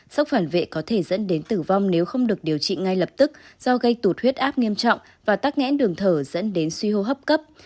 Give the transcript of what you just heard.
sốc phản vệ có thể dẫn đến tử vong nếu không được điều trị ngay lập tức do gây tụt huyết áp nghiêm trọng và tắc nghẽn đường thở dẫn đến suy hô hấp cấp